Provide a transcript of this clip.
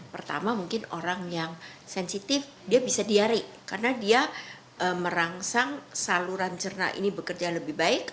pertama mungkin orang yang sensitif dia bisa diarik karena dia merangsang saluran cerna ini bekerja lebih baik